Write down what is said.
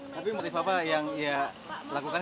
tapi motif apa yang ia lakukan